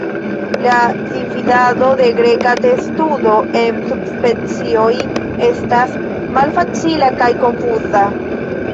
La dividado de Greka testudo en subspecioj estas malfacila kaj konfuza.